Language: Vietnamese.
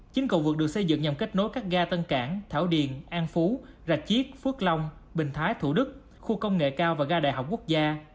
chín cầu vượt được xây dựng nhằm kết nối các ga tân cảng thảo điền an phú rạch chiếc phước long bình thái thủ đức khu công nghệ cao và ga đại học quốc gia